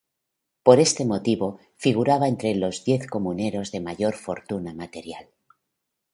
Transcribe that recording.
Por este motivo, figuraba entre los diez comuneros de mayor fortuna material.